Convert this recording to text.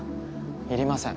いりません。